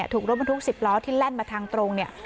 ถูกรถบรรทุก๑๐ล้อที่แล่นมาทางตรงเนี่ย